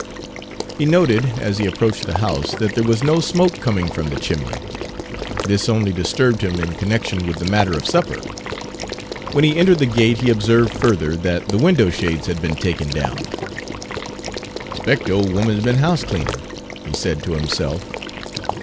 He noted, as he approached the house, that there was no smoke coming from the chimney. This only disturbed him in connection with the matter of supper. When he entered the Page 257 gate he observed further that the windowshades had been taken down. "'Spec' de ole 'oman's been house cleanin'," he said to himself.